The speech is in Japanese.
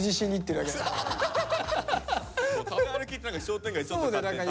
食べ歩きって何か商店街でちょっと買って食べて。